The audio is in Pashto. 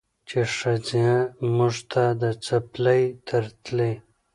چې ښځه موږ ته د څپلۍ تر تلي